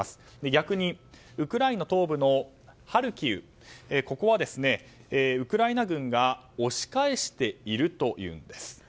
逆にウクライナ東部のハルキウここはウクライナ軍が押し返しているといいます。